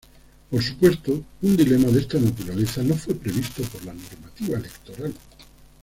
Por supuesto, un dilema de esta naturaleza no fue previsto por la normativa electoral.